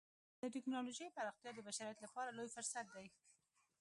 د ټکنالوجۍ پراختیا د بشریت لپاره لوی فرصت دی.